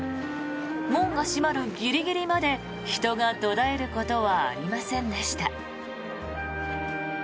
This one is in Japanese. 門が閉まるギリギリまで人が途絶えることはありませんでした。